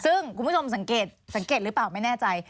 ซึ่งคุณผู้ชมสังเกตหรือเปล่าไม่แน่ใจ